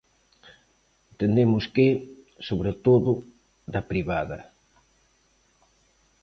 Entendemos que, sobre todo, da privada.